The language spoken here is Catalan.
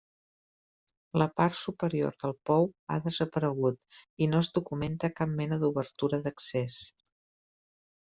La part superior del pou ha desaparegut i no es documenta cap mena d'obertura d'accés.